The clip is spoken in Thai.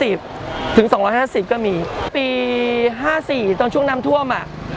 ๒๒๐ธุ์ถึง๒๕๐ด้วยก็มีปี๕๔สย์ตอนช่วงน้ำท่วม